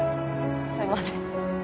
すいません。